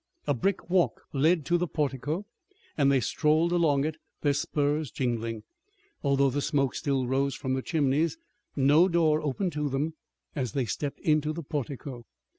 A brick walk led to the portico and they strolled along it, their spurs jingling. Although the smoke still rose from the chimneys no door opened to them as they stepped into the portico.